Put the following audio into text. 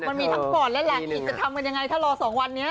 มันมีทั้งก่อนและแหล่งอีกจะทำกันยังไงถ้ารอ๒วันนี้